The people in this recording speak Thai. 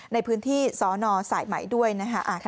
ในพื้นที่สนสายไหมด้วยนะคะ